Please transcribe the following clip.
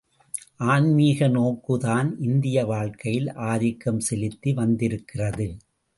ஆன்மீக நோக்கு தான் இந்திய வாழ்க்கையில் ஆதிக்கம் செலுத்தி வந்திருக்கிறது.